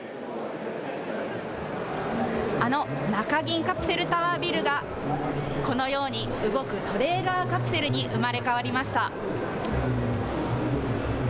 あの中銀カプセルタワービルが、このように動くトレーラーカプセルに生まれ変わりました。